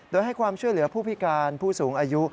โดยให้ความช่วยเหลือผู้พิการผู้สูงอายุ